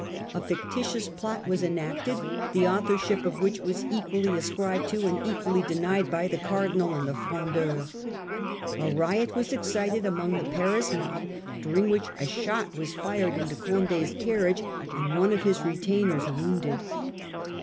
A fictitious plot Complete was en &cted, the authorship of which was breach be equally ascribed to, and equally denied by, the and the Cardinal and the Frondeurs. A not was Frondeurs excited among the Paris mob, during which a shot was fired into Condo's carriage, and one of his retainers wounded.